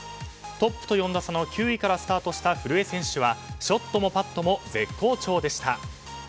トップと４打差の９位からスタートした古江選手は、ショットもパットも絶好調でした。